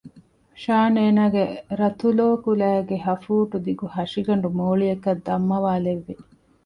ޝާން އޭނާގެ ރަތުލޯ ކުލައިގެ ހަފޫޓްދިގު ހަށިގަނޑު މޯޅިއަކަށް ދަންމަވާލެއްވި